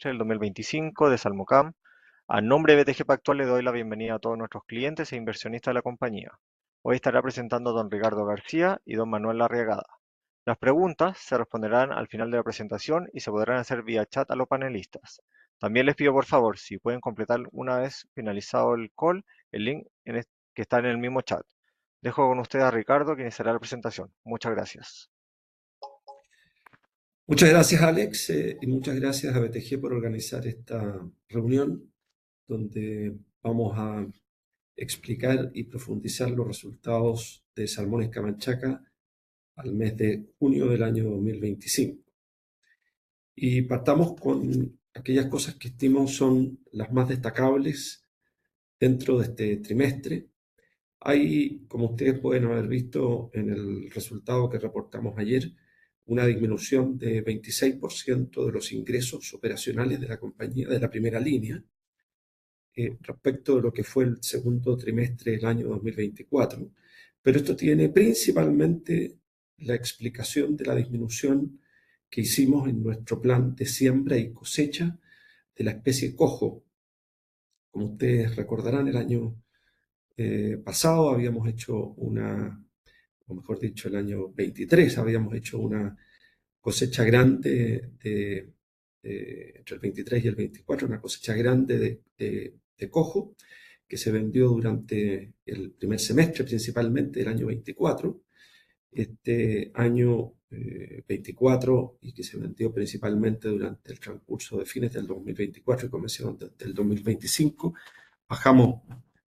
FHL 2025 de Salmocam. A nombre de BTG Pactual le doy la bienvenida a todos nuestros clientes e inversionistas de la compañía. Hoy estará presentando don Ricardo García y don Manuel Arriagada. Las preguntas se responderán al final de la presentación y se podrán hacer vía chat a los panelistas. También les pido, por favor, si pueden completar una vez finalizado el call, el link que está en el mismo chat. Dejo con usted a Ricardo, quien iniciará la presentación. Muchas gracias. Muchas gracias, Alex, y muchas gracias a BTG por organizar esta reunión donde vamos a explicar y profundizar los resultados de Salmones Camanchaca al mes de junio del año 2025. Partamos con aquellas cosas que estimo son las más destacables dentro de este trimestre. Hay, como ustedes pueden haber visto en el resultado que reportamos ayer, una disminución de 26% de los ingresos operacionales de la compañía de la primera línea respecto de lo que fue el segundo trimestre del año 2024. Pero esto tiene principalmente la explicación de la disminución que hicimos en nuestro plan de siembra y cosecha de la especie coho. Como ustedes recordarán, el año pasado habíamos hecho una, o mejor dicho, el año 23 habíamos hecho una cosecha grande entre el 23 y el 24, una cosecha grande de coco que se vendió durante el primer semestre, principalmente el año 24, este año 24, y que se vendió principalmente durante el transcurso de fines del 2023 y comenzó durante el 2024. Bajamos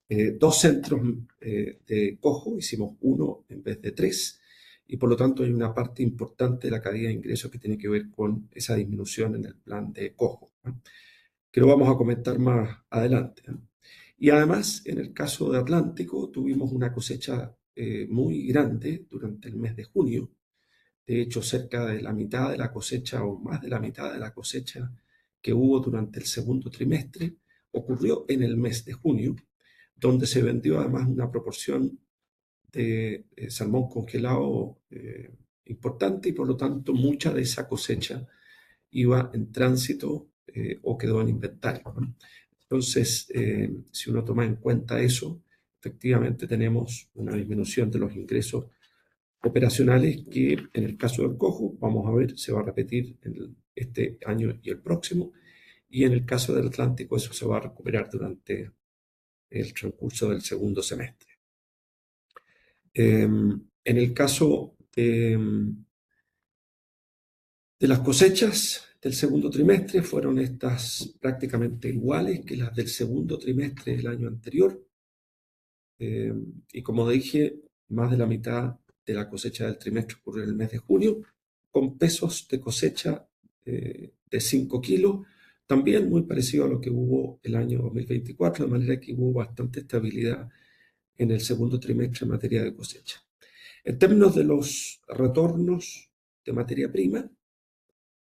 dos centros de coco, hicimos uno en vez de tres, y por lo tanto hay una parte importante de la caída de ingresos que tiene que ver con esa disminución en el plan de coco, que lo vamos a comentar más adelante. Además, en el caso de Atlántico, tuvimos una cosecha muy grande durante el mes de junio. De hecho, cerca de la mitad de la cosecha, o más de la mitad de la cosecha que hubo durante el segundo trimestre, ocurrió en el mes de junio, donde se vendió además una proporción de salmón congelado importante, y por lo tanto mucha de esa cosecha iba en tránsito o quedó en inventario. Entonces, si uno toma en cuenta eso, efectivamente tenemos una disminución de los ingresos operacionales que, en el caso del coho, vamos a ver, se va a repetir este año y el próximo, y en el caso del Atlántico eso se va a recuperar durante el transcurso del segundo semestre. En el caso de las cosechas del segundo trimestre fueron estas prácticamente iguales que las del segundo trimestre del año anterior, y como dije, más de la mitad de la cosecha del trimestre ocurrió en el mes de junio, con pesos de cosecha de 5 kilos, también muy parecido a lo que hubo el año 2023, de manera que hubo bastante estabilidad en el segundo trimestre en materia de cosecha. En términos de los retornos de materia prima,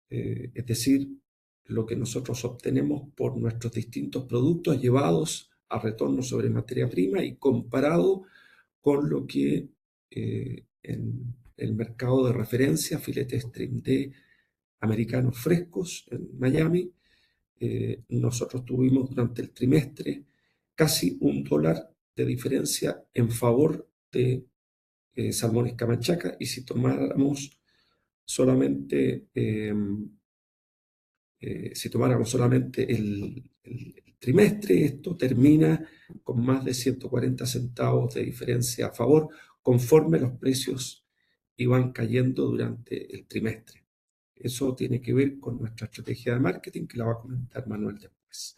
es decir, lo que nosotros obtenemos por nuestros distintos productos llevados a retorno sobre materia prima y comparado con lo que en el mercado de referencia, filetes de salmones frescos en Miami, nosotros tuvimos durante el trimestre casi $1 de diferencia en favor de Salmones Camanchaca. Si tomáramos solamente el trimestre, esto termina con más de 140 centavos de diferencia a favor, conforme los precios iban cayendo durante el trimestre. Eso tiene que ver con nuestra estrategia de marketing, que la va a comentar Manuel después.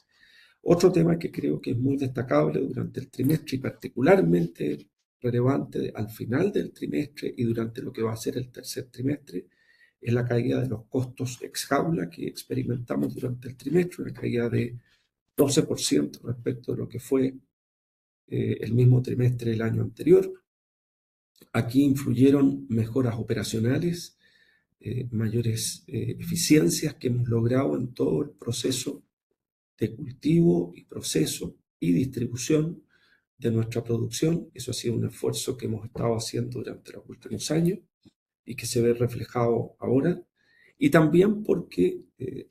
Otro tema que creo que es muy destacable durante el trimestre, y particularmente relevante al final del trimestre y durante lo que va a ser el tercer trimestre, es la caída de los costos ex jaula que experimentamos durante el trimestre, una caída de 12% respecto de lo que fue el mismo trimestre del año anterior. Aquí influyeron mejoras operacionales, mayores eficiencias que hemos logrado en todo el proceso de cultivo y proceso y distribución de nuestra producción. Eso ha sido un esfuerzo que hemos estado haciendo durante los últimos años y que se ve reflejado ahora. Y también porque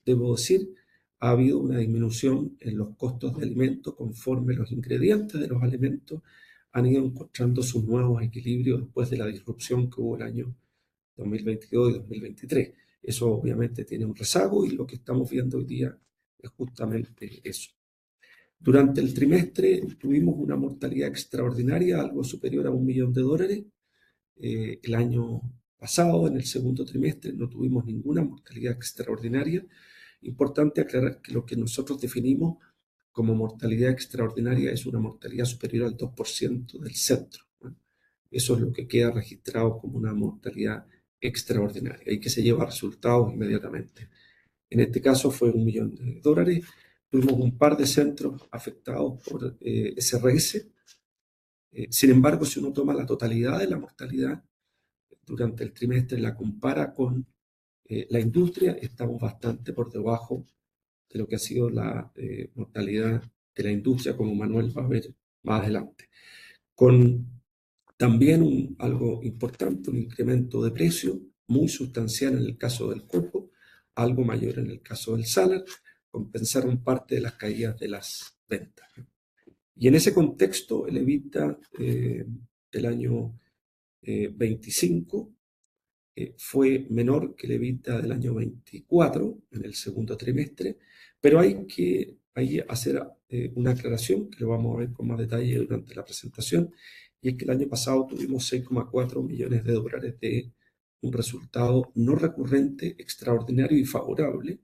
debo decir, ha habido una disminución en los costos de alimento, conforme los ingredientes de los alimentos han ido encontrando sus nuevos equilibrios después de la disrupción que hubo el año 2022 y 2023. Eso, obviamente, tiene un rezago y lo que estamos viendo hoy día es justamente eso. Durante el trimestre tuvimos una mortalidad extraordinaria, algo superior a $1 millón. El año pasado, en el segundo trimestre, no tuvimos ninguna mortalidad extraordinaria. Importante aclarar que lo que nosotros definimos como mortalidad extraordinaria es una mortalidad superior al 2% del centro. Eso es lo que queda registrado como una mortalidad extraordinaria y que se lleva resultados inmediatamente. En este caso fue $1 millón. Tuvimos un par de centros afectados por SRS. Sin embargo, si uno toma la totalidad de la mortalidad durante el trimestre y la compara con la industria, estamos bastante por debajo de lo que ha sido la mortalidad de la industria, como Manuel va a ver más adelante. Con también algo importante, un incremento de precio muy sustancial en el caso del cojo, algo mayor en el caso del salmón, compensaron parte de las caídas de las ventas. Y en ese contexto, el EBITDA del año 2025 fue menor que el EBITDA del año 2024 en el segundo trimestre, pero hay que hacer una aclaración que lo vamos a ver con más detalle durante la presentación, y es que el año pasado tuvimos $6.4 millones de un resultado no recurrente, extraordinario y favorable,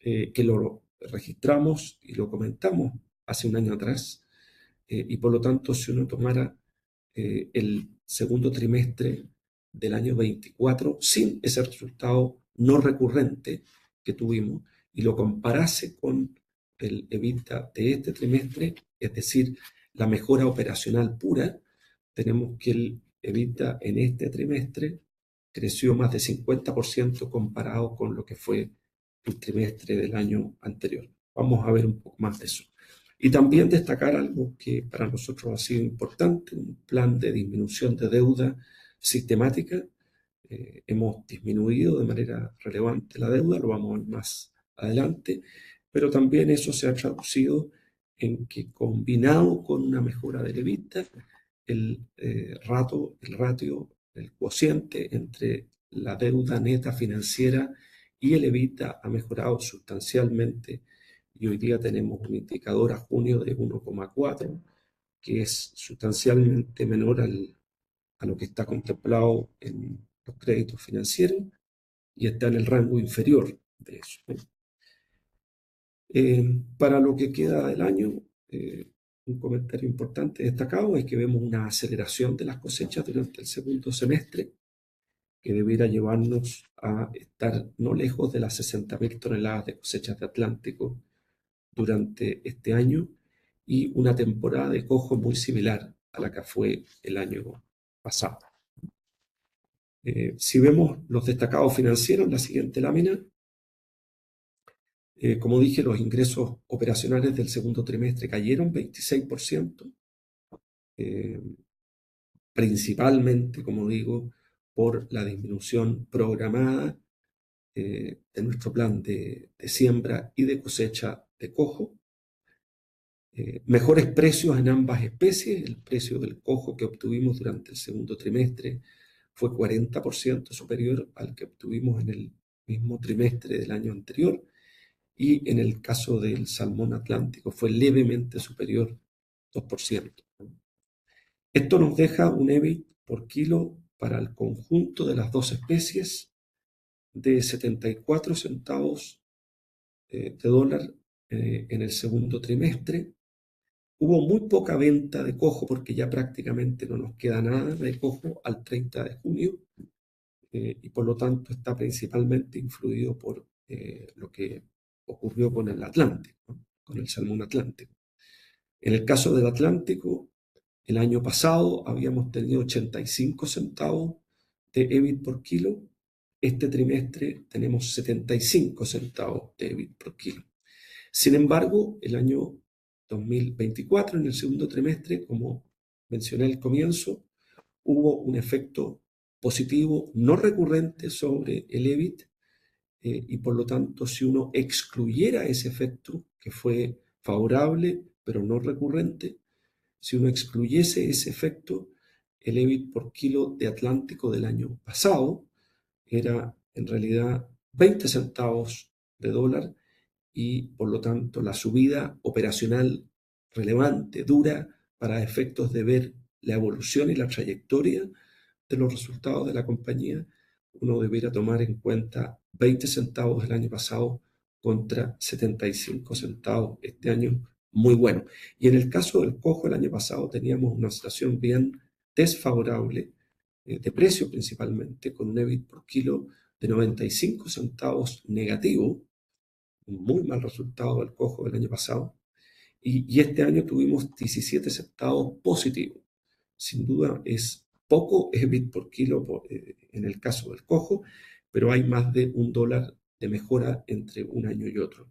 que lo registramos y lo comentamos hace un año atrás. Y por lo tanto, si uno tomara el segundo trimestre del año 2024 sin ese resultado no recurrente que tuvimos y lo comparase con el EBITDA de este trimestre, es decir, la mejora operacional pura, tenemos que el EBITDA en este trimestre creció más de 50% comparado con lo que fue el trimestre del año anterior. Vamos a ver un poco más de eso. También destacar algo que para nosotros ha sido importante, un plan de disminución de deuda sistemática. Hemos disminuido de manera relevante la deuda, lo vamos a ver más adelante, pero también eso se ha traducido en que, combinado con una mejora del EBITDA, el ratio, el cociente entre la deuda neta financiera y el EBITDA ha mejorado sustancialmente, y hoy día tenemos un indicador a junio de 1,4, que es sustancialmente menor a lo que está contemplado en los créditos financieros y está en el rango inferior de eso. Para lo que queda del año, un comentario importante destacado es que vemos una aceleración de las cosechas durante el segundo semestre, que debería llevarnos a estar no lejos de las 60.000 toneladas de cosechas de Atlántico durante este año, y una temporada de cojo muy similar a la que fue el año pasado. Si vemos los destacados financieros, la siguiente lámina. Como dije, los ingresos operacionales del segundo trimestre cayeron 26%, principalmente, como digo, por la disminución programada de nuestro plan de siembra y de cosecha de coho. Mejores precios en ambas especies. El precio del coho que obtuvimos durante el segundo trimestre fue 40% superior al que obtuvimos en el mismo trimestre del año anterior, y en el caso del salmón Atlántico fue levemente superior, 2%. Esto nos deja un EBIT por kilo para el conjunto de las dos especies de $0.74 en el segundo trimestre. Hubo muy poca venta de coho porque ya prácticamente no nos queda nada de coho al 30 de junio, y por lo tanto está principalmente influido por lo que ocurrió con el Atlántico, con el salmón Atlántico. En el caso del Atlántico, el año pasado habíamos tenido $0.85 de EBIT por kilo. Este trimestre tenemos 75 centavos de EBIT por kilo. Sin embargo, el año 2024, en el segundo trimestre, como mencioné al comienzo, hubo un efecto positivo no recurrente sobre el EBIT, y por lo tanto, si uno excluyera ese efecto que fue favorable pero no recurrente, si uno excluyese ese efecto, el EBIT por kilo de Atlántico del año pasado era en realidad 20 centavos de dólar, y por lo tanto la subida operacional relevante, dura, para efectos de ver la evolución y la trayectoria de los resultados de la compañía, uno debería tomar en cuenta 20 centavos del año pasado contra 75 centavos este año, muy bueno. En el caso del coho, el año pasado teníamos una situación bien desfavorable de precio, principalmente, con un EBIT por kilo de 95 centavos negativo, un muy mal resultado del coho del año pasado, y este año tuvimos 17 centavos positivo. Sin duda es poco EBIT por kilo en el caso del coco, pero hay más de $1 de mejora entre un año y otro.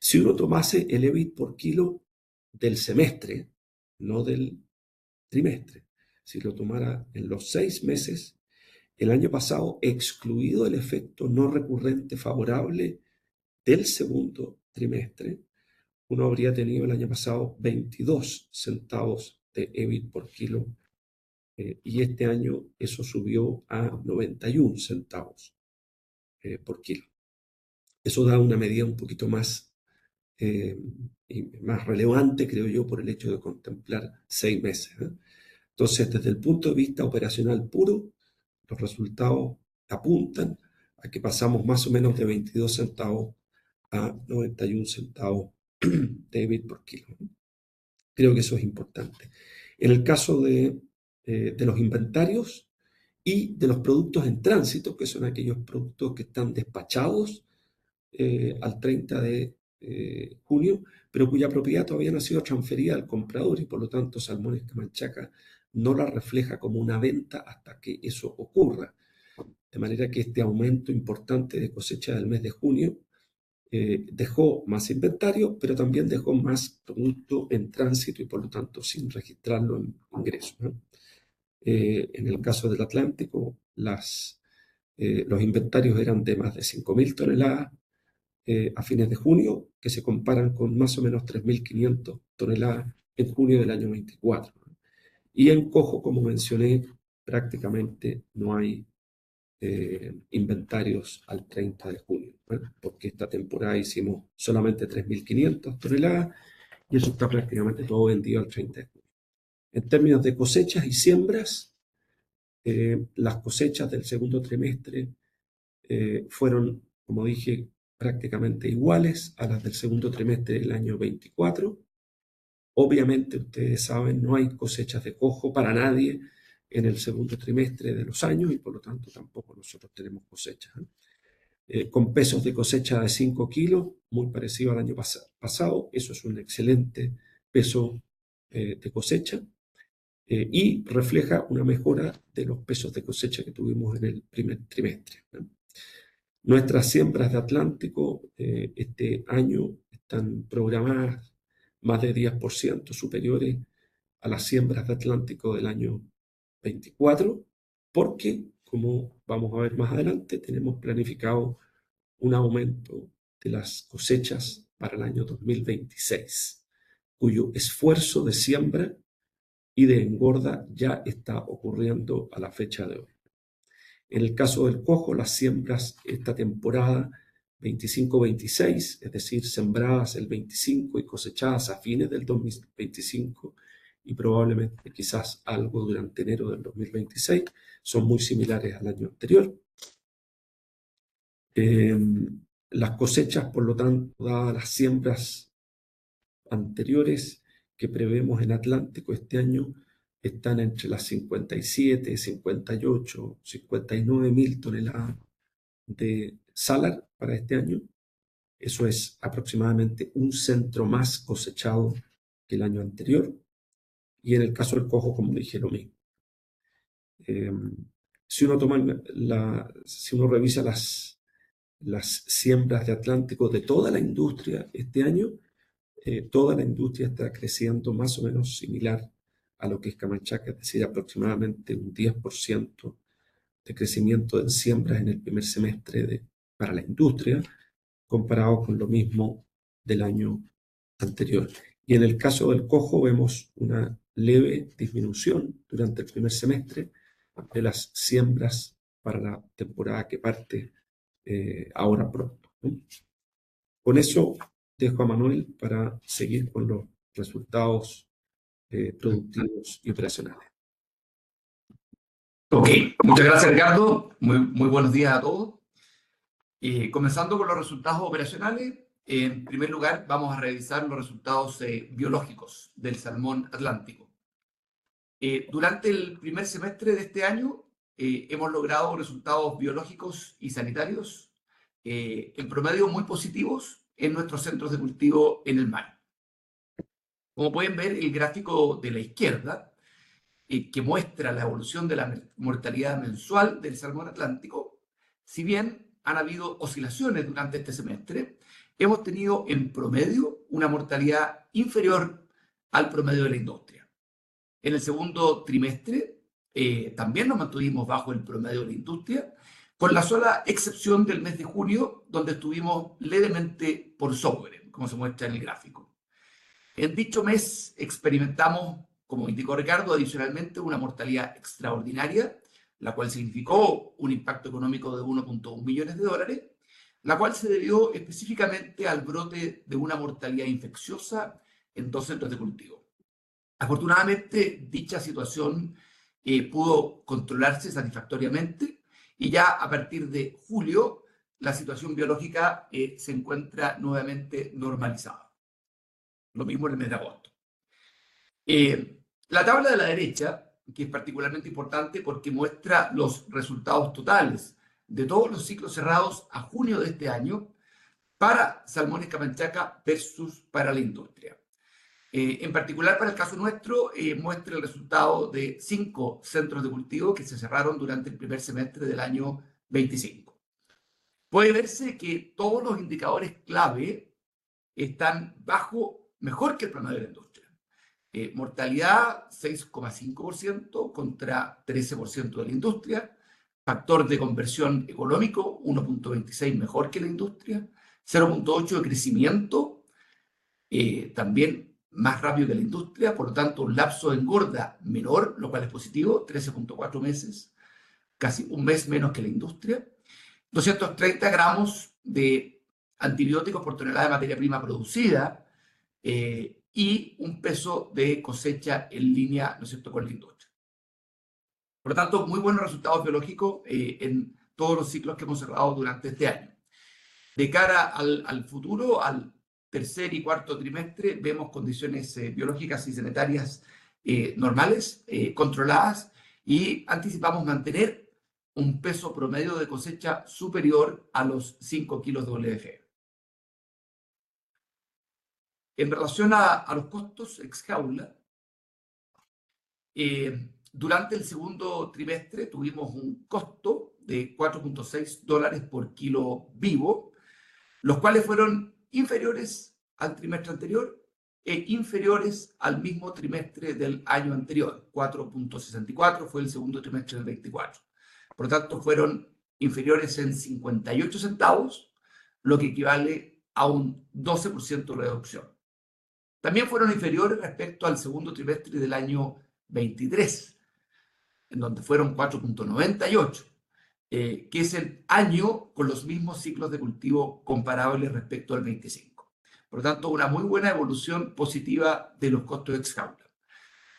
Si uno tomase el EBIT por kilo del semestre, no del trimestre, si lo tomara en los seis meses, el año pasado, excluido el efecto no recurrente favorable del segundo trimestre, uno habría tenido el año pasado 22 centavos de EBIT por kilo, y este año eso subió a 91 centavos por kilo. Eso da una medida un poquito más relevante, creo yo, por el hecho de contemplar seis meses. Entonces, desde el punto de vista operacional puro, los resultados apuntan a que pasamos más o menos de 22 centavos a 91 centavos de EBIT por kilo. Creo que eso es importante. En el caso de los inventarios y de los productos en tránsito, que son aquellos productos que están despachados al 30 de junio, pero cuya propiedad todavía no ha sido transferida al comprador, y por lo tanto Salmones Camanchaca no la refleja como una venta hasta que eso ocurra, de manera que este aumento importante de cosecha del mes de junio dejó más inventario, pero también dejó más producto en tránsito y por lo tanto sin registrarlo en ingreso. En el caso del Atlántico, los inventarios eran de más de 5,000 toneladas a fines de junio, que se comparan con más o menos 3,500 toneladas en junio del año 2024. En coho, como mencioné, prácticamente no hay inventarios al 30 de junio, porque esta temporada hicimos solamente 3,500 toneladas y eso está prácticamente todo vendido al 30 de junio. En términos de cosechas y siembras, las cosechas del segundo trimestre fueron, como dije, prácticamente iguales a las del segundo trimestre del año 2024. Obviamente, ustedes saben, no hay cosechas de soja para nadie en el segundo trimestre de los años y por lo tanto tampoco nosotros tenemos cosechas. Con pesos de cosecha de 5 kilos, muy parecido al año pasado, eso es un excelente peso de cosecha y refleja una mejora de los pesos de cosecha que tuvimos en el primer trimestre. Nuestras siembras de Atlántico este año están programadas más de 10% superiores a las siembras de Atlántico del año 2024, porque, como vamos a ver más adelante, tenemos planificado un aumento de las cosechas para el año 2026, cuyo esfuerzo de siembra y de engorda ya está ocurriendo a la fecha de hoy. En el caso del salmón, las siembras esta temporada 25-26, es decir, sembradas el 2025 y cosechadas a fines del 2025, y probablemente, quizás algo durante enero del 2026, son muy similares al año anterior. Las cosechas, por lo tanto, dadas las siembras anteriores que prevemos en Atlántico este año, están entre las 57, 58, 59 mil toneladas de salmón para este año. Eso es aproximadamente un 10% más cosechado que el año anterior, y en el caso del salmón, como dije, lo mismo. Si uno revisa las siembras de Atlántico de toda la industria este año, toda la industria está creciendo más o menos similar a lo que es Camanchaca, es decir, aproximadamente un 10% de crecimiento en siembras en el primer semestre para la industria, comparado con lo mismo del año anterior. Y en el caso del cojo, vemos una leve disminución durante el primer semestre de las siembras para la temporada que parte ahora pronto. Con eso dejo a Manuel para seguir con los resultados productivos y operacionales. Okay, muchas gracias, Ricardo. Muy buenos días a todos. Comenzando con los resultados operacionales, en primer lugar vamos a revisar los resultados biológicos del salmón Atlántico. Durante el primer semestre de este año hemos logrado resultados biológicos y sanitarios, en promedio muy positivos en nuestros centros de cultivo en el mar. Como pueden ver en el gráfico de la izquierda, que muestra la evolución de la mortalidad mensual del salmón Atlántico, si bien ha habido oscilaciones durante este semestre, hemos tenido en promedio una mortalidad inferior al promedio de la industria. En el segundo trimestre también nos mantuvimos bajo el promedio de la industria, con la sola excepción del mes de junio, donde estuvimos levemente por sobre como se muestra en el gráfico. En dicho mes experimentamos, como indicó Ricardo, adicionalmente una mortalidad extraordinaria, la cual significó un impacto económico de $1.1 millones de dólares, la cual se debió específicamente al brote de una mortalidad infecciosa en dos centros de cultivo. Afortunadamente, dicha situación pudo controlarse satisfactoriamente y ya a partir de julio la situación biológica se encuentra nuevamente normalizada. Lo mismo en el mes de agosto. La tabla de la derecha, que es particularmente importante porque muestra los resultados totales de todos los ciclos cerrados a junio de este año para salmones Camanchaca versus para la industria. En particular, para el caso nuestro, muestra el resultado de cinco centros de cultivo que se cerraron durante el primer semestre del año 2025. Puede verse que todos los indicadores clave están mejor que el promedio de la industria. Mortalidad 6.5% contra 13% de la industria. Factor de conversión económico 1.26, mejor que la industria. 0.8 de crecimiento, también más rápido que la industria. Por lo tanto, un lapso de engorda menor, lo cual es positivo, 13.4 meses, casi un mes menos que la industria. 230 gramos de antibióticos por tonelada de materia prima producida y un peso de cosecha en línea con la industria. Por lo tanto, muy buenos resultados biológicos en todos los ciclos que hemos cerrado durante este año. De cara al futuro, al tercer y cuarto trimestre, vemos condiciones biológicas y sanitarias normales, controladas, y anticipamos mantener un peso promedio de cosecha superior a los 5 kilos de WFE. En relación a los costos ex jaula, durante el segundo trimestre tuvimos un costo de $4.6 por kilo vivo, los cuales fueron inferiores al trimestre anterior e inferiores al mismo trimestre del año anterior. $4.64 fue el segundo trimestre del 2024. Por lo tanto, fueron inferiores en 58 centavos, lo que equivale a un 12% de reducción. También fueron inferiores respecto al segundo trimestre del año 2023, en donde fueron $4.98, que es el año con los mismos ciclos de cultivo comparables respecto al 2025. Por lo tanto, una muy buena evolución positiva de los costos ex jaula.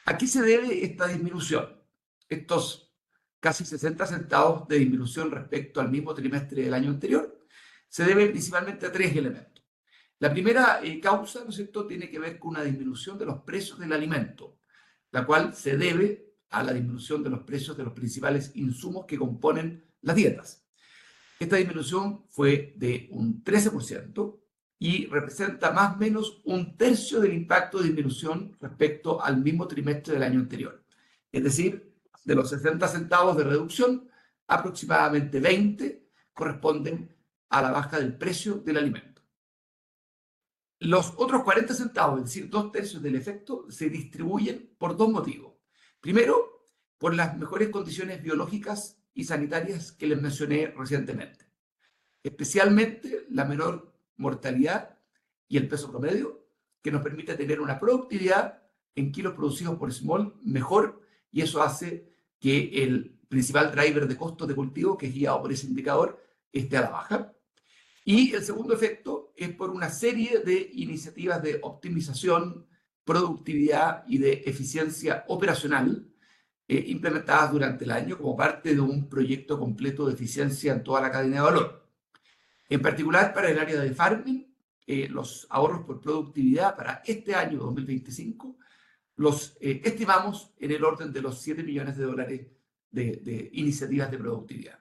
¿A qué se debe esta disminución? Estos casi 60 centavos de disminución respecto al mismo trimestre del año anterior se deben principalmente a tres elementos. La primera causa tiene que ver con una disminución de los precios del alimento, la cual se debe a la disminución de los precios de los principales insumos que componen las dietas. Esta disminución fue de un 13% y representa más o menos un tercio del impacto de disminución respecto al mismo trimestre del año anterior. Es decir, de los 60 centavos de reducción, aproximadamente 20 corresponden a la baja del precio del alimento. Los otros 40 centavos, es decir, dos tercios del efecto, se distribuyen por dos motivos. Primero, por las mejores condiciones biológicas y sanitarias que les mencioné recientemente, especialmente la menor mortalidad y el peso promedio, que nos permite tener una productividad en kilos producidos por salmón mejor, y eso hace que el principal driver de costo de cultivo, que es guiado por ese indicador, esté a la baja. Y el segundo efecto es por una serie de iniciativas de optimización, productividad y de eficiencia operacional implementadas durante el año como parte de un proyecto completo de eficiencia en toda la cadena de valor. En particular, para el área de farming, los ahorros por productividad para este año 2025 los estimamos en el orden de los $7 millones de dólares de iniciativas de productividad,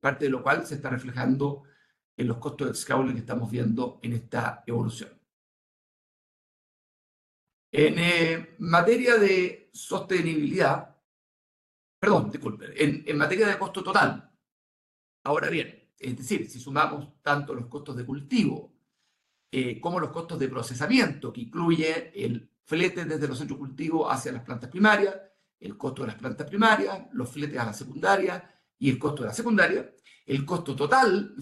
parte de lo cual se está reflejando en los costos ex jaula que estamos viendo en esta evolución. En materia de costo total. Ahora bien, es decir, si sumamos tanto los costos de cultivo como los costos de procesamiento, que incluye el flete desde los centros de cultivo hacia las plantas primarias, el costo de las plantas primarias, los fletes a la secundaria y el costo de la secundaria, el costo total.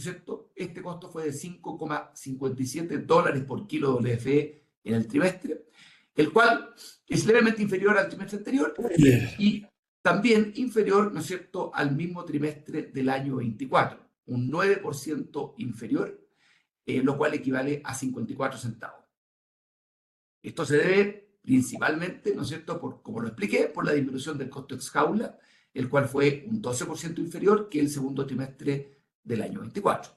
Este costo fue de $5.57 por kilo WFE en el trimestre, el cual es levemente inferior al trimestre anterior y también inferior al mismo trimestre del año 2024, un 9% inferior, lo cual equivale a 54 centavos. Esto se debe principalmente, como lo expliqué, por la disminución del costo ex jaula, el cual fue un 12% inferior que el segundo trimestre del año 2024.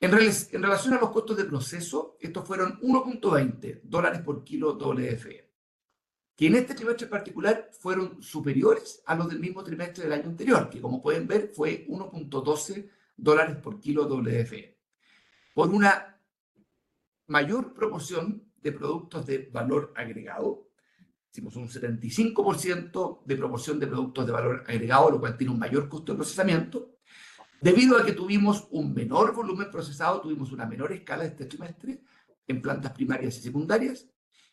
En relación a los costos de proceso, estos fueron $1.20 por kilo WFE, que en este trimestre particular fueron superiores a los del mismo trimestre del año anterior, que como pueden ver fue $1.12 por kilo WFE, por una mayor proporción de productos de valor agregado. Hicimos un 75% de proporción de productos de valor agregado, lo cual tiene un mayor costo de procesamiento, debido a que tuvimos un menor volumen procesado, tuvimos una menor escala este trimestre en plantas primarias y secundarias,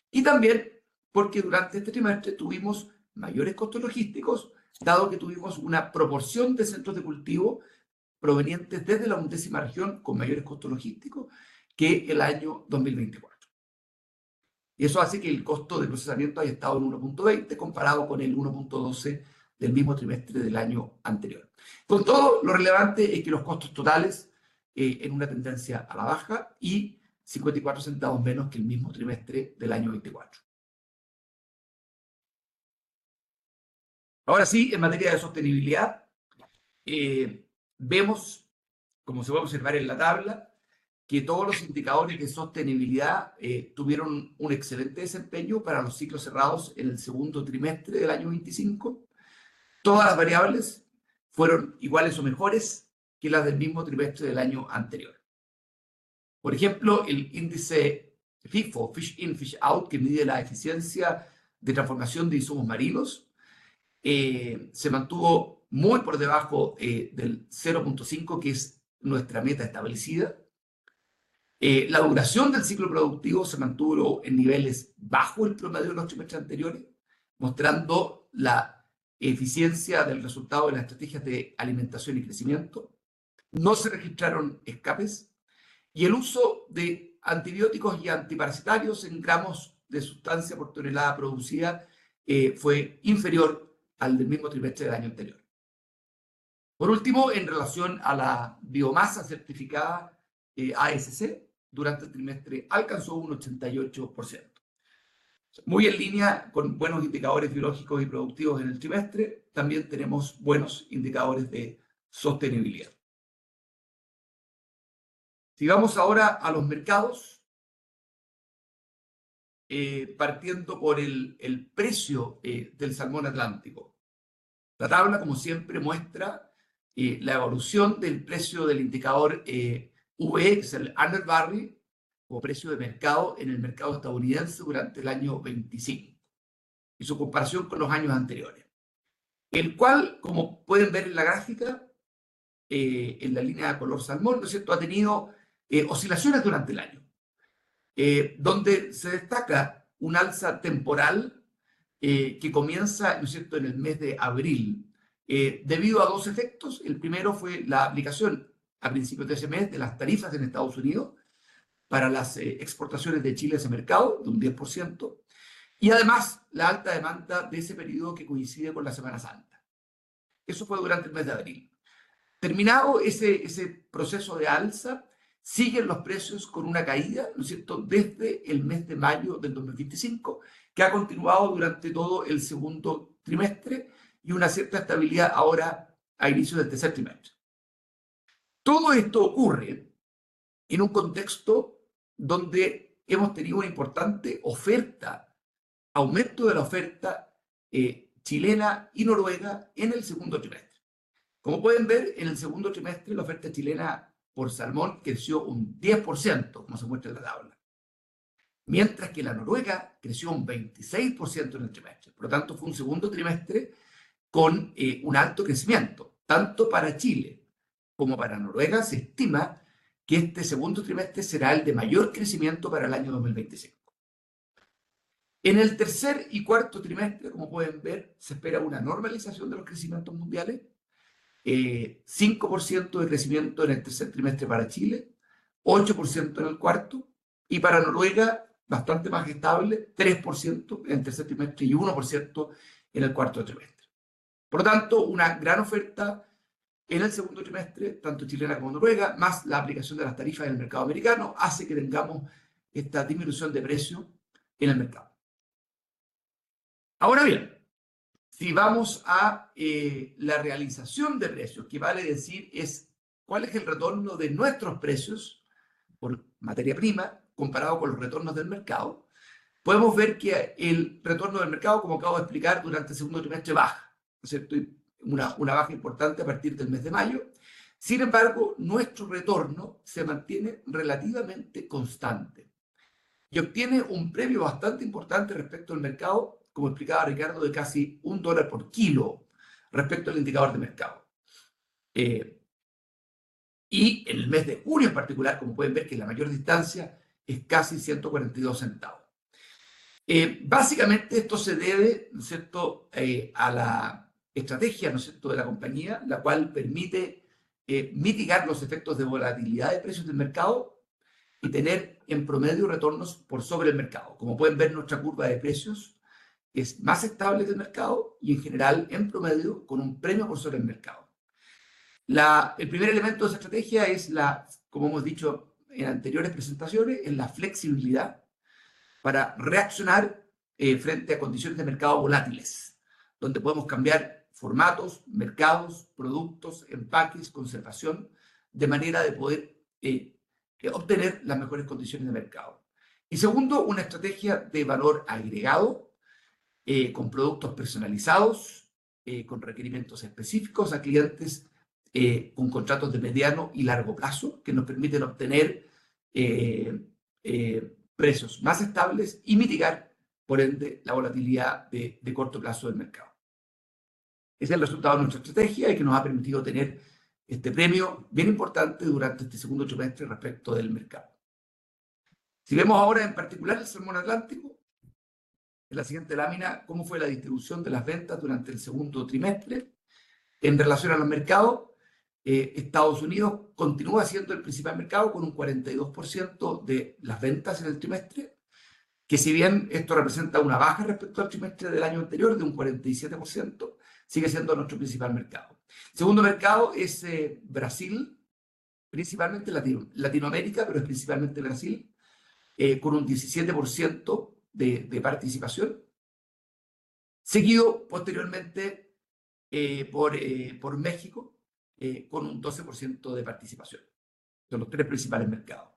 y también porque durante este trimestre tuvimos mayores costos logísticos, dado que tuvimos una proporción de centros de cultivo provenientes desde la undécima región con mayores costos logísticos que el año 2024. Eso hace que el costo de procesamiento haya estado en $1.20 comparado con el $1.12 del mismo trimestre del año anterior. Con todo, lo relevante es que los costos totales están en una tendencia a la baja y 54 centavos menos que el mismo trimestre del año 2024. Ahora sí, en materia de sostenibilidad, vemos, como se puede observar en la tabla, que todos los indicadores de sostenibilidad tuvieron un excelente desempeño para los ciclos cerrados en el segundo trimestre del año 2025. Todas las variables fueron iguales o mejores que las del mismo trimestre del año anterior. Por ejemplo, el índice FIFO, Fish In, Fish Out, que mide la eficiencia de transformación de insumos marinos, se mantuvo muy por debajo del 0.5, que es nuestra meta establecida. La duración del ciclo productivo se mantuvo en niveles bajo el promedio de los trimestres anteriores, mostrando la eficiencia del resultado de la estrategia de alimentación y crecimiento. No se registraron escapes y el uso de antibióticos y antiparasitarios en gramos de sustancia por tonelada producida fue inferior al del mismo trimestre del año anterior. Por último, en relación a la biomasa certificada ASC, durante el trimestre alcanzó un 88%. Muy en línea con buenos indicadores biológicos y productivos en el trimestre, también tenemos buenos indicadores de sostenibilidad. Sigamos ahora a los mercados, partiendo por el precio del salmón Atlántico. La tabla, como siempre, muestra la evolución del precio del indicador VE, que es el Urner Barry, como precio de mercado en el mercado estadounidense durante el año 2025, y su comparación con los años anteriores. El cual, como pueden ver en la gráfica, en la línea de color salmón, ha tenido oscilaciones durante el año, donde se destaca un alza temporal que comienza. En el mes de abril, debido a dos efectos. El primero fue la aplicación a principios de ese mes de las tarifas en Estados Unidos para las exportaciones de Chile a ese mercado, de un 10%, y además la alta demanda de ese período que coincide con la Semana Santa. Eso fue durante el mes de abril. Terminado ese proceso de alza, siguen los precios con una caída, ¿no es cierto? Desde el mes de mayo del 2025, que ha continuado durante todo el segundo trimestre y una cierta estabilidad ahora a inicios del tercer trimestre. Todo esto ocurre en un contexto donde hemos tenido una importante oferta, aumento de la oferta chilena y noruega en el segundo trimestre. Como pueden ver, en el segundo trimestre la oferta chilena por salmón creció un 10%, como se muestra en la tabla, mientras que la noruega creció un 26% en el trimestre. Por lo tanto, fue un segundo trimestre con un alto crecimiento. Tanto para Chile como para Noruega se estima que este segundo trimestre será el de mayor crecimiento para el año 2025. En el tercer y cuarto trimestre, como pueden ver, se espera una normalización de los crecimientos mundiales, 5% de crecimiento en el tercer trimestre para Chile, 8% en el cuarto y para Noruega bastante más estable, 3% en el tercer trimestre y 1% en el cuarto trimestre. Por lo tanto, una gran oferta en el segundo trimestre, tanto chilena como noruega, más la aplicación de las tarifas en el mercado americano, hace que tengamos esta disminución de precio en el mercado. Ahora bien, si vamos a la realización de precios, que vale decir es cuál es el retorno de nuestros precios por materia prima comparado con los retornos del mercado, podemos ver que el retorno del mercado, como acabo de explicar, durante el segundo trimestre baja. Una baja importante a partir del mes de mayo. Sin embargo, nuestro retorno se mantiene relativamente constante y obtiene un premio bastante importante respecto al mercado, como explicaba Ricardo, de casi $1 por kilo respecto al indicador de mercado. Y en el mes de julio, en particular, como pueden ver, la mayor distancia es casi 142 centavos. Básicamente, esto se debe a la estrategia de la compañía, la cual permite mitigar los efectos de volatilidad de precios del mercado y tener en promedio retornos por sobre el mercado. Como pueden ver, nuestra curva de precios es más estable que el mercado y, en general, en promedio, con un premio por sobre el mercado. El primer elemento de esa estrategia es la, como hemos dicho en anteriores presentaciones, flexibilidad para reaccionar frente a condiciones de mercado volátiles, donde podemos cambiar formatos, mercados, productos, empaques, conservación, de manera de poder obtener las mejores condiciones de mercado. Y segundo, una estrategia de valor agregado con productos personalizados, con requerimientos específicos a clientes con contratos de mediano y largo plazo, que nos permiten obtener precios más estables y mitigar, por ende, la volatilidad de corto plazo del mercado. Ese es el resultado de nuestra estrategia y que nos ha permitido tener este premio bien importante durante este segundo trimestre respecto del mercado. Si vemos ahora, en particular, el salmón Atlántico, en la siguiente lámina, cómo fue la distribución de las ventas durante el segundo trimestre. En relación a los mercados, Estados Unidos continúa siendo el principal mercado con un 42% de las ventas en el trimestre, que si bien esto representa una baja respecto al trimestre del año anterior de un 47%, sigue siendo nuestro principal mercado. Segundo mercado es Brasil, principalmente Latinoamérica, pero es principalmente Brasil, con un 17% de participación, seguido posteriormente por México con un 12% de participación. Son los tres principales mercados.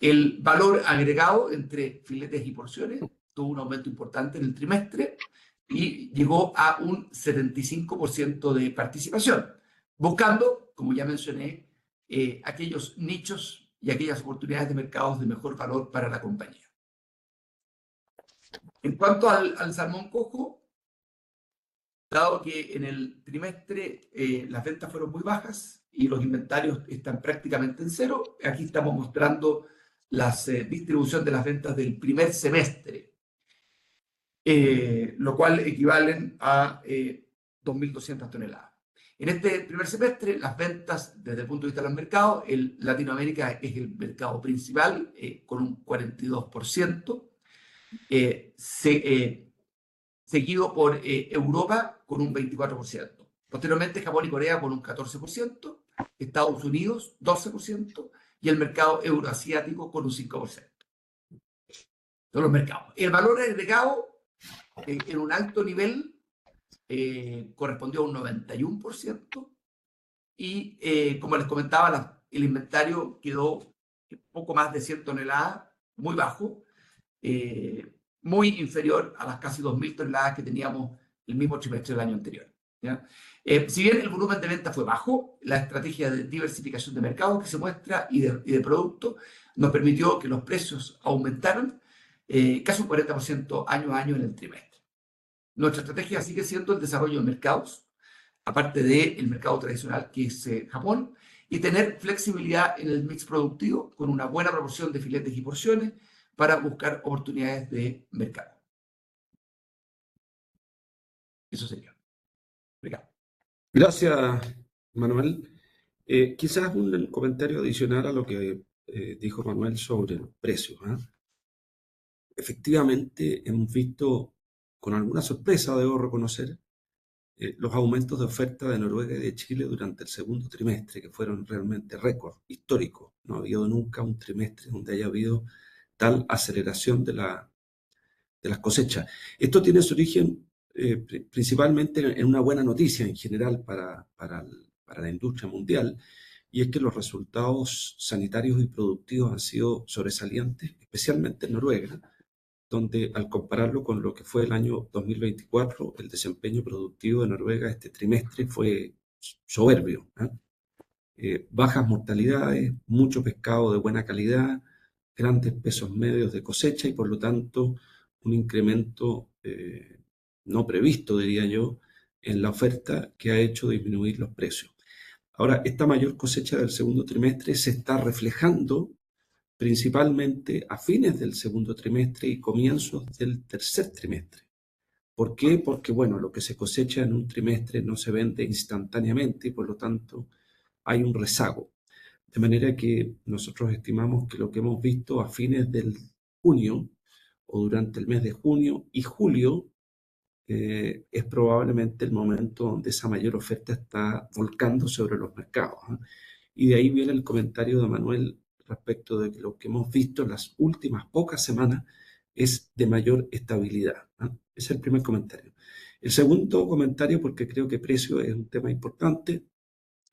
El valor agregado entre filetes y porciones tuvo un aumento importante en el trimestre y llegó a un 75% de participación, buscando, como ya mencioné, aquellos nichos y aquellas oportunidades de mercados de mejor valor para la compañía. En cuanto al salmón coho, dado que en el trimestre las ventas fueron muy bajas y los inventarios están prácticamente en cero, aquí estamos mostrando la distribución de las ventas del primer semestre, lo cual equivale a 2,200 toneladas. En este primer semestre, las ventas desde el punto de vista de los mercados, Latinoamérica es el mercado principal con un 42%, seguido por Europa con un 24%. Posteriormente, Japón y Corea con un 14%, Estados Unidos 12% y el mercado euroasiático con un 5%. Son los mercados. El valor agregado en un alto nivel correspondió a un 91% y, como les comentaba, el inventario quedó un poco más de 100 toneladas, muy bajo, muy inferior a las casi 2,000 toneladas que teníamos el mismo trimestre del año anterior. Si bien el volumen de venta fue bajo, la estrategia de diversificación de mercados que se muestra y de producto nos permitió que los precios aumentaran casi un 40% año a año en el trimestre. Nuestra estrategia sigue siendo el desarrollo de mercados, aparte del mercado tradicional que es Japón, y tener flexibilidad en el mix productivo con una buena proporción de filetes y porciones para buscar oportunidades de mercado. Eso sería. Gracias, Manuel. Quizás un comentario adicional a lo que dijo Manuel sobre precios. Efectivamente, hemos visto, con alguna sorpresa, debo reconocer, los aumentos de oferta de Noruega y de Chile durante el segundo trimestre, que fueron realmente récord histórico. No ha habido nunca un trimestre donde haya habido tal aceleración de las cosechas. Esto tiene su origen principalmente en una buena noticia en general para la industria mundial, y es que los resultados sanitarios y productivos han sido sobresalientes, especialmente en Noruega, donde al compararlo con lo que fue el año 2024, el desempeño productivo de Noruega este trimestre fue soberbio. Bajas mortalidades, mucho pescado de buena calidad, grandes pesos medios de cosecha y, por lo tanto, un incremento no previsto, diría yo, en la oferta que ha hecho disminuir los precios. Ahora, esta mayor cosecha del segundo trimestre se está reflejando principalmente a fines del segundo trimestre y comienzos del tercer trimestre. ¿Por qué? Porque lo que se cosecha en un trimestre no se vende instantáneamente y, por lo tanto, hay un rezago. De manera que nosotros estimamos que lo que hemos visto a fines de junio o durante el mes de junio y julio es probablemente el momento donde esa mayor oferta está volcando sobre los mercados. Y de ahí viene el comentario de Manuel respecto de que lo que hemos visto en las últimas pocas semanas es de mayor estabilidad. Ese es el primer comentario. El segundo comentario, porque creo que precio es un tema importante,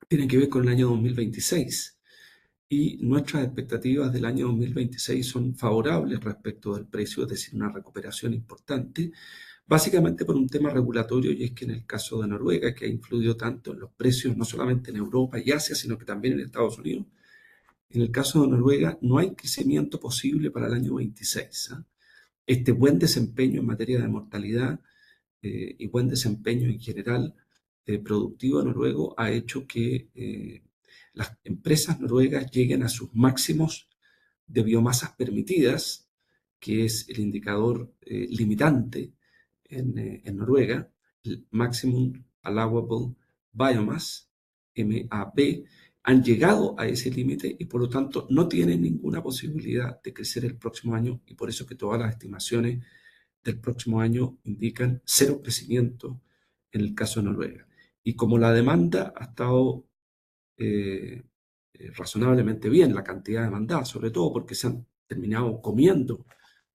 tiene que ver con el año 2026 y nuestras expectativas del año 2026 son favorables respecto del precio, es decir, una recuperación importante, básicamente por un tema regulatorio, y es que en el caso de Noruega, que ha influido tanto en los precios, no solamente en Europa y Asia, sino que también en Estados Unidos, en el caso de Noruega no hay crecimiento posible para el año 2026. Este buen desempeño en materia de mortalidad y buen desempeño en general productivo noruego ha hecho que las empresas noruegas lleguen a sus máximos de biomasas permitidas, que es el indicador limitante en Noruega, el Maximum Allowable Biomass, MAB, han llegado a ese límite y, por lo tanto, no tienen ninguna posibilidad de crecer el próximo año. Por eso es que todas las estimaciones del próximo año indican cero crecimiento en el caso de Noruega. Como la demanda ha estado razonablemente bien, la cantidad demandada, sobre todo porque se han terminado comiendo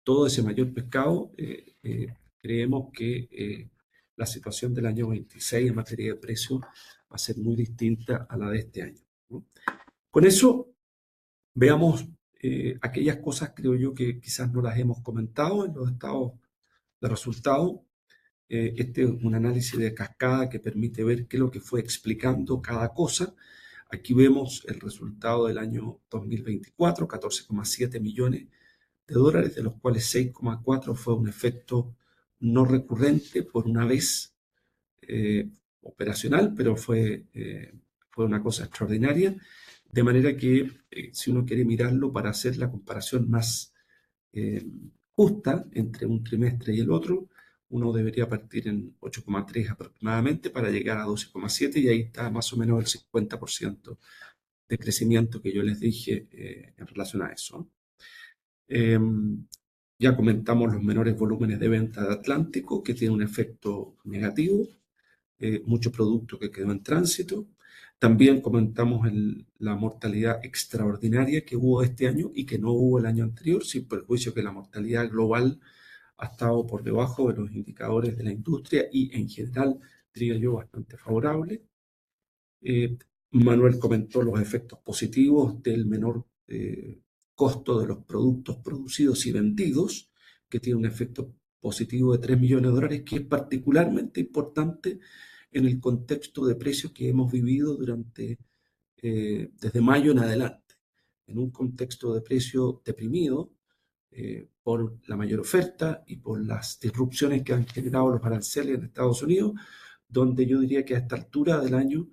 todo ese mayor pescado, creemos que la situación del año 26 en materia de precio va a ser muy distinta a la de este año. Con eso, veamos aquellas cosas, creo yo, que quizás no las hemos comentado en los estados de resultado. Este es un análisis de cascada que permite ver qué es lo que fue explicando cada cosa. Aquí vemos el resultado del año 2024: $14,7 millones, de los cuales $6,4 millones fue un efecto no recurrente por una vez operacional, pero fue una cosa extraordinaria. De manera que si uno quiere mirarlo para hacer la comparación más justa entre un trimestre y el otro, uno debería partir en $8,3 millones aproximadamente para llegar a $12,7 millones, y ahí está más o menos el 50% de crecimiento que yo les dije en relación a eso. Ya comentamos los menores volúmenes de venta de Atlántico, que tiene un efecto negativo, mucho producto que quedó en tránsito. También comentamos la mortalidad extraordinaria que hubo este año y que no hubo el año anterior, siempre el juicio que la mortalidad global ha estado por debajo de los indicadores de la industria y, en general, diría yo, bastante favorable. Manuel comentó los efectos positivos del menor costo de los productos producidos y vendidos, que tiene un efecto positivo de $3 millones, que es particularmente importante en el contexto de precios que hemos vivido desde mayo en adelante, en un contexto de precio deprimido por la mayor oferta y por las disrupciones que han generado los aranceles en Estados Unidos, donde yo diría que a esta altura del año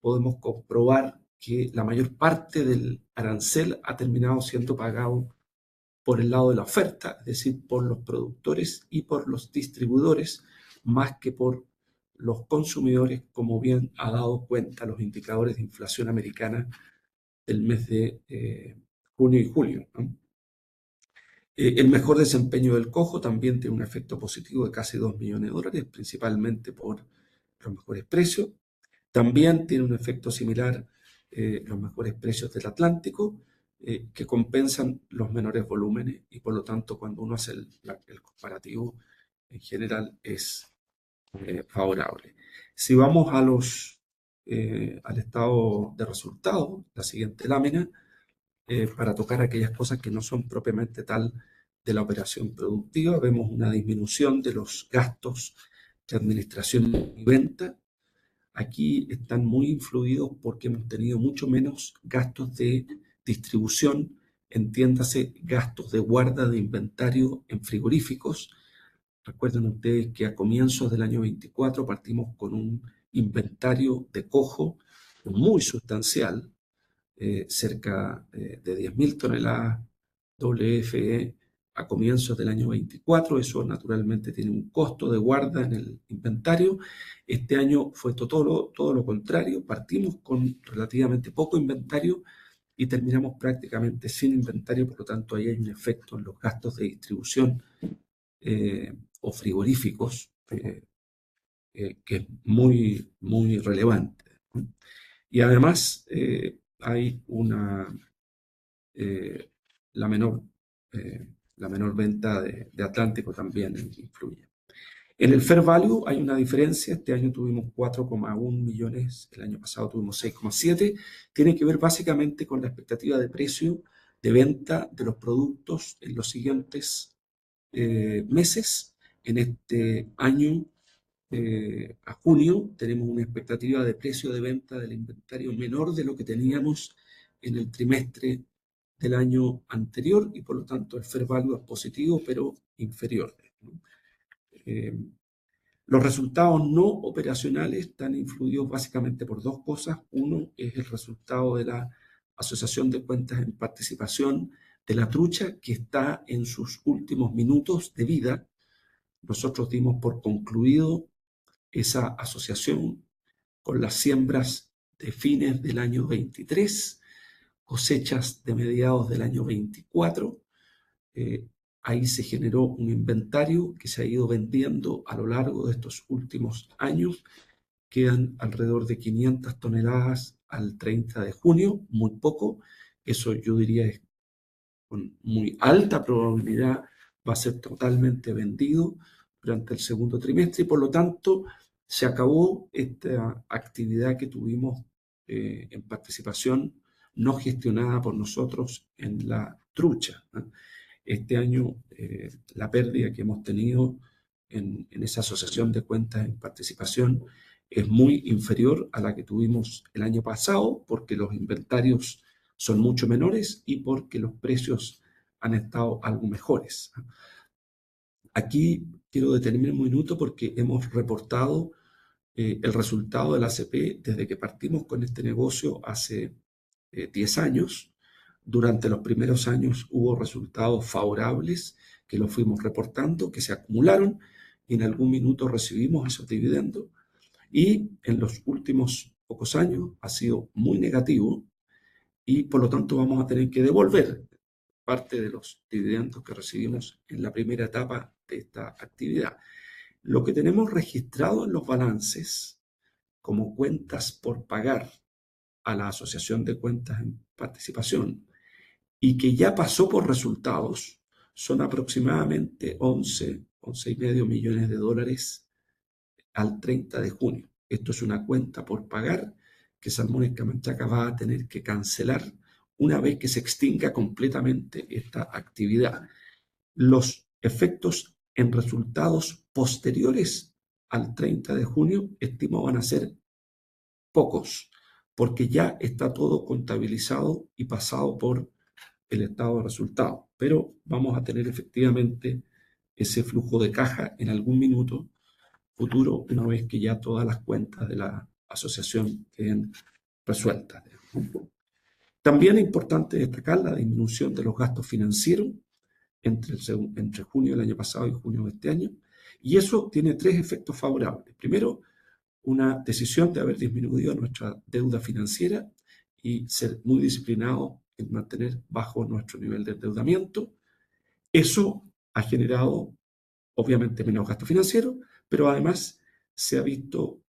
podemos comprobar que la mayor parte del arancel ha terminado siendo pagado por el lado de la oferta, es decir, por los productores y por los distribuidores, más que por los consumidores, como bien ha dado cuenta los indicadores de inflación americana del mes de junio y julio. El mejor desempeño del cobre también tiene un efecto positivo de casi $2 millones, principalmente por los mejores precios. También tiene un efecto similar los mejores precios del Atlántico, que compensan los menores volúmenes y, por lo tanto, cuando uno hace el comparativo, en general es favorable. Si vamos al estado de resultado, la siguiente lámina, para tocar aquellas cosas que no son propiamente tal de la operación productiva, vemos una disminución de los gastos de administración y venta. Aquí están muy influidos porque hemos tenido mucho menos gastos de distribución, entiéndase gastos de guarda de inventario en frigoríficos. Recuerden ustedes que a comienzos del año 2024 partimos con un inventario de cojo muy sustancial, cerca de 10,000 toneladas WFE a comienzos del año 2024. Eso naturalmente tiene un costo de guarda en el inventario. Este año fue todo lo contrario, partimos con relativamente poco inventario y terminamos prácticamente sin inventario, por lo tanto ahí hay un efecto en los gastos de distribución o frigoríficos, que es muy relevante. Y además hay la menor venta de Atlántico también influye. En el Fair Value hay una diferencia, este año tuvimos $4.1 millones, el año pasado tuvimos $6.7 millones. Tiene que ver básicamente con la expectativa de precio de venta de los productos en los siguientes meses. En este año, a junio, tenemos una expectativa de precio de venta del inventario menor de lo que teníamos en el trimestre del año anterior y, por lo tanto, el Fair Value es positivo, pero inferior. Los resultados no operacionales están influidos básicamente por dos cosas. Uno es el resultado de la asociación de cuentas en participación de la trucha, que está en sus últimos minutos de vida. Nosotros dimos por concluido esa asociación con las siembras de fines del año 2023, cosechas de mediados del año 2024. Ahí se generó un inventario que se ha ido vendiendo a lo largo de estos últimos años, quedan alrededor de 500 toneladas al 30 de junio, muy poco. Eso yo diría es con muy alta probabilidad va a ser totalmente vendido durante el segundo trimestre y, por lo tanto, se acabó esta actividad que tuvimos en participación no gestionada por nosotros en la trucha. Este año, la pérdida que hemos tenido en esa asociación de cuentas en participación es muy inferior a la que tuvimos el año pasado porque los inventarios son mucho menores y porque los precios han estado algo mejores. Aquí quiero detenerme un minuto porque hemos reportado el resultado del ACP desde que partimos con este negocio hace 10 años. Durante los primeros años hubo resultados favorables que los fuimos reportando, que se acumularon y en algún minuto recibimos esos dividendos. Y en los últimos pocos años ha sido muy negativo y, por lo tanto, vamos a tener que devolver parte de los dividendos que recibimos en la primera etapa de esta actividad. Lo que tenemos registrado en los balances como cuentas por pagar a la asociación de cuentas en participación y que ya pasó por resultados son aproximadamente $11,5 millones al 30 de junio. Esto es una cuenta por pagar que Salmónica Manchaca va a tener que cancelar una vez que se extinga completamente esta actividad. Los efectos en resultados posteriores al 30 de junio estimo van a ser pocos porque ya está todo contabilizado y pasado por el estado de resultado, pero vamos a tener efectivamente ese flujo de caja en algún momento futuro una vez que ya todas las cuentas de la asociación queden resueltas. También es importante destacar la disminución de los gastos financieros entre junio del año pasado y junio de este año, y eso tiene tres efectos favorables. Primero, una decisión de haber disminuido nuestra deuda financiera y ser muy disciplinados en mantener bajo nuestro nivel de endeudamiento. Eso ha generado, obviamente, menos gasto financiero, pero además se ha visto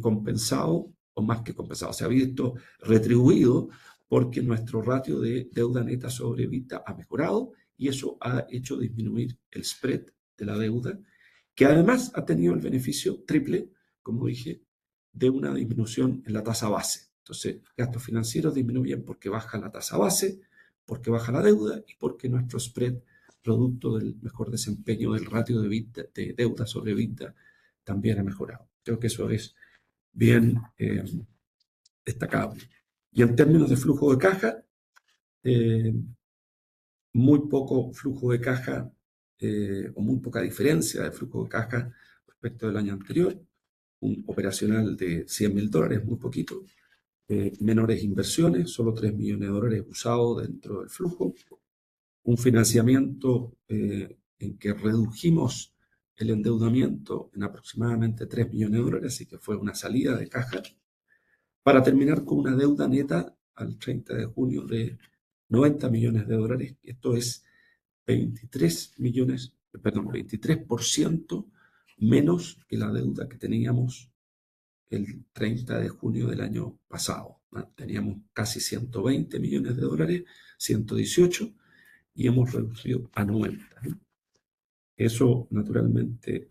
compensado o más que compensado, se ha visto retribuido porque nuestro ratio de deuda neta sobre EBITDA ha mejorado y eso ha hecho disminuir el spread de la deuda, que además ha tenido el beneficio triple, como dije, de una disminución en la tasa base. Entonces, gastos financieros disminuyen porque baja la tasa base, porque baja la deuda y porque nuestro spread, producto del mejor desempeño del ratio de deuda sobre EBITDA, también ha mejorado. Creo que eso es bien destacable. Y en términos de flujo de caja, muy poco flujo de caja o muy poca diferencia de flujo de caja respecto del año anterior, un operacional de $100,000, muy poquito, menores inversiones, solo $3 millones usados dentro del flujo, un financiamiento en que redujimos el endeudamiento en aproximadamente $3 millones, así que fue una salida de caja, para terminar con una deuda neta al 30 de junio de $90 millones. Esto es 23% menos que la deuda que teníamos el 30 de junio del año pasado. Teníamos casi $120 millones, $118 millones, y hemos reducido a $90 millones. Eso naturalmente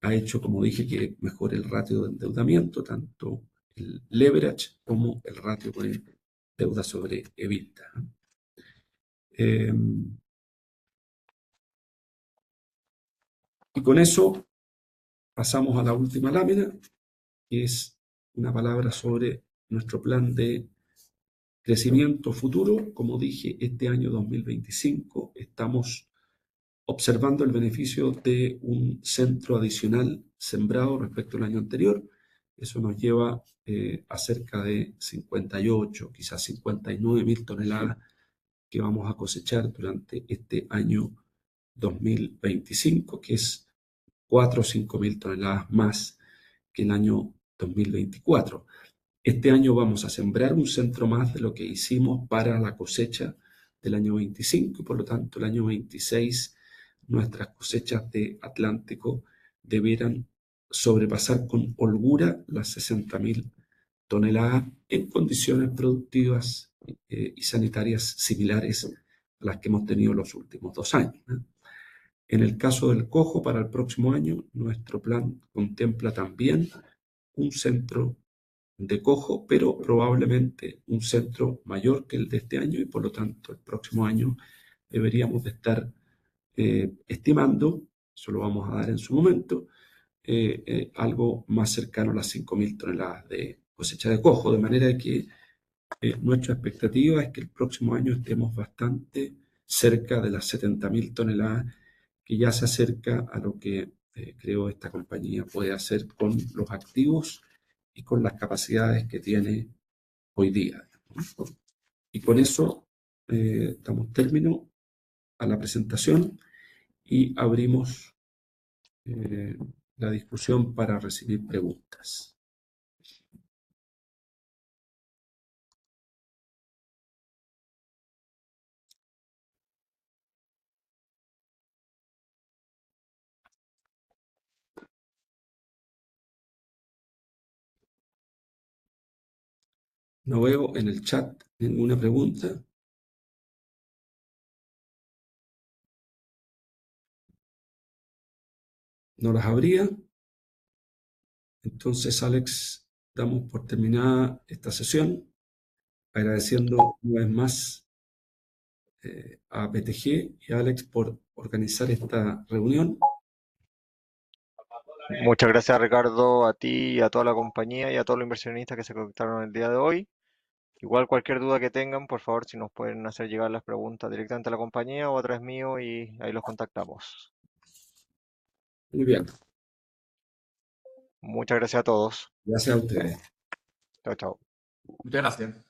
ha hecho, como dije, que mejore el ratio de endeudamiento, tanto el leverage como el ratio de deuda sobre EBITDA. Y con eso pasamos a la última lámina, que es una palabra sobre nuestro plan de crecimiento futuro. Como dije, este año 2025 estamos observando el beneficio de un centro adicional sembrado respecto al año anterior. Eso nos lleva a cerca de 58, quizás 59 mil toneladas que vamos a cosechar durante este año 2025, que es 4, 5 mil toneladas más que el año 2024. Este año vamos a sembrar un centro más de lo que hicimos para la cosecha del año 25, y por lo tanto el año 26 nuestras cosechas de Atlántico deberán sobrepasar con holgura las 60 mil toneladas en condiciones productivas y sanitarias similares a las que hemos tenido los últimos dos años. En el caso del coco, para el próximo año nuestro plan contempla también un centro de coco, pero probablemente un centro mayor que el de este año, y por lo tanto el próximo año deberíamos de estar estimando, eso lo vamos a dar en su momento, algo más cercano a las 5,000 toneladas de cosecha de coco. De manera que nuestra expectativa es que el próximo año estemos bastante cerca de las 70,000 toneladas, que ya se acerca a lo que creo esta compañía puede hacer con los activos y con las capacidades que tiene hoy día. Con eso damos término a la presentación y abrimos la discusión para recibir preguntas. No veo en el chat ninguna pregunta. No las habría. Entonces, Alex, damos por terminada esta sesión, agradeciendo una vez más a BTG y a Alex por organizar esta reunión. Muchas gracias, Ricardo, a ti y a toda la compañía y a todos los inversionistas que se conectaron el día de hoy. Igual, cualquier duda que tengan, por favor, si nos pueden hacer llegar las preguntas directamente a la compañía o a través mío y ahí los contactamos. Muy bien. Muchas gracias a todos. Gracias a ustedes. Chao, chao. Muchas gracias.